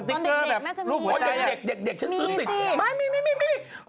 ตอนเด็กเด็กแน่งจะมีมีสิมีนี่สิมี